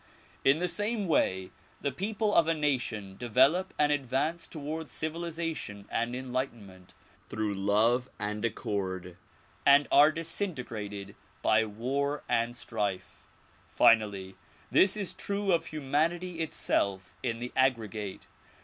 In the same way the people of a nation develop and advance toward civilization and enlightenment through love and accord, and are disintegrated by war and strife. Finally, this is true of humanity itself in the aggregate.